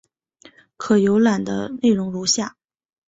可浏览的内容如下。